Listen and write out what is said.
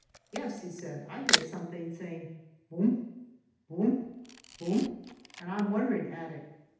"Yes," he said, "I hear something saying boomp, boomp, boomp, and I'm wondering at it."